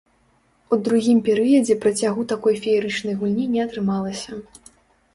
У другім перыядзе працягу такой феерычнай гульні не атрымалася.